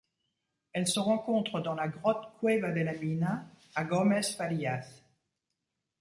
Elle se rencontre dans la grotte Cueva de la Mina à Gómez Farías.